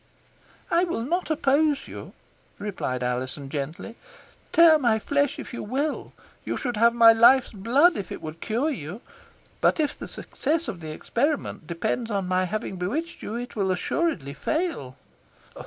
"I will not oppose you," replied Alizon, gently; "tear my flesh if you will. You should have my life's blood if it would cure you; but if the success of the experiment depends on my having bewitched you, it will assuredly fail."